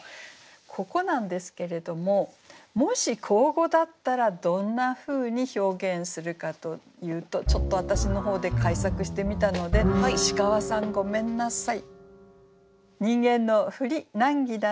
ここなんですけれどももし口語だったらどんなふうに表現するかというとちょっと私の方で改作してみたので石川さんごめんなさい。